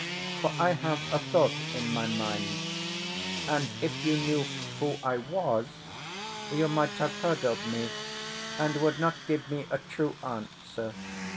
For I have a thought in my mind, and if you knew who I was, you might have heard of me, and would not give me a true answer.